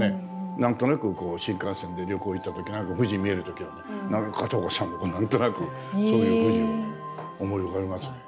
何となくこう新幹線で旅行行った時富士見える時はね片岡さんのを何となくそういう富士を思い浮かべますね。